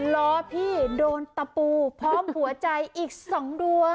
ล้อพี่โดนตะปูพร้อมหัวใจอีก๒ดวง